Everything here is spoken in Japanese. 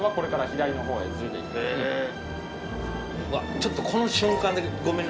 うわちょっとこの瞬間だけごめんな。